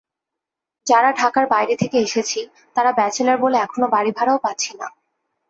যারা ঢাকার বাইরে থেকে এসেছি, তারা ব্যাচেলর বলে এখন বাড়িভাড়াও পাচ্ছি না।